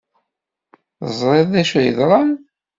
Teẓrid d acu ay yeḍran.